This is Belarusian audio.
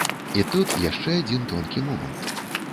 І тут яшчэ адзін тонкі момант.